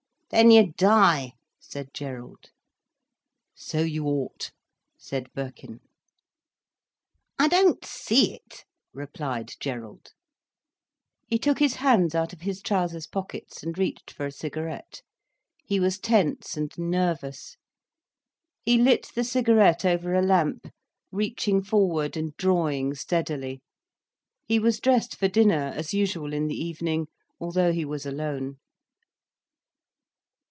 "Then you die," said Gerald. "So you ought," said Birkin. "I don't see it," replied Gerald. He took his hands out of his trousers pockets, and reached for a cigarette. He was tense and nervous. He lit the cigarette over a lamp, reaching forward and drawing steadily. He was dressed for dinner, as usual in the evening, although he was alone.